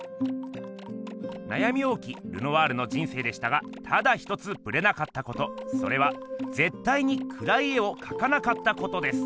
なやみ多きルノワールの人生でしたがただ一つぶれなかったことそれはぜったいにくらい絵をかかなかったことです。